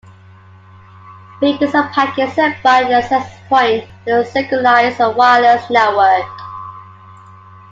Beacons are packets sent by an access point to synchronize a wireless network.